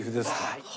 はい。